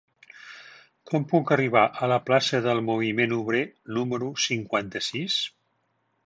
Com puc arribar a la plaça del Moviment Obrer número cinquanta-sis?